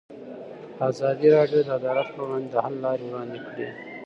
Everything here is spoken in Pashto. ازادي راډیو د عدالت پر وړاندې د حل لارې وړاندې کړي.